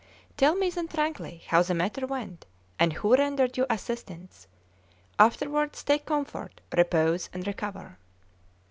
Tell me then frankly how the matter went, and who rendered you assistance; afterwards take comfort, repose, and recover."